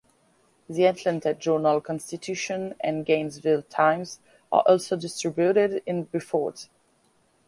The "Atlanta Journal-Constitution" and "Gainesville Times" are also distributed in Buford.